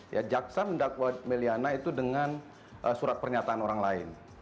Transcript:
ya jaksa mendakwa meliana itu dengan surat pernyataan orang lain